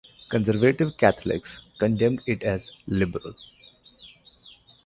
Conservative Catholics condemned it as "liberal".